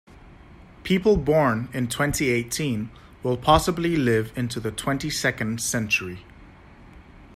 People born in twenty-eighteen will possibly live into the twenty-second century.